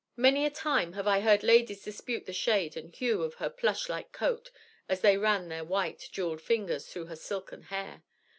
Many a time have I heard ladies dispute the shade and hue of her plush like coat as they ran their white, jeweled fingers through her silken hair.